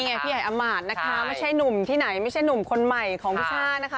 พี่ใหญ่อำมาตย์นะคะไม่ใช่หนุ่มที่ไหนไม่ใช่หนุ่มคนใหม่ของพี่ช่านะคะ